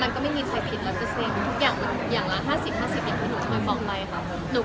มันไม่มีใครถูก๑๐๐